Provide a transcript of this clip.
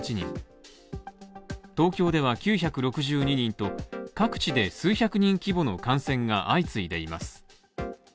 東京では９６２人と、各地で数百人規模の感染が相次いでいます。